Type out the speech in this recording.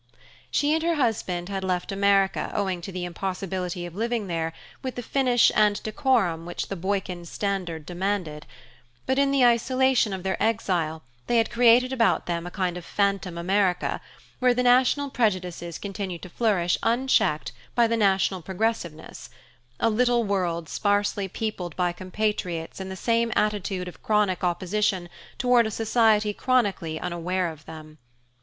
She and her husband had left America owing to the impossibility of living there with the finish and decorum which the Boykin standard demanded; but in the isolation of their exile they had created about them a kind of phantom America, where the national prejudices continued to flourish unchecked by the national progressiveness: a little world sparsely peopled by compatriots in the same attitude of chronic opposition toward a society chronically unaware of them.